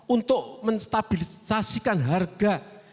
untuk menstabilisasikan harga